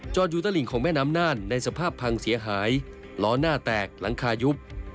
อยู่ตลิ่งของแม่น้ำน่านในสภาพพังเสียหายล้อหน้าแตกหลังคายุบ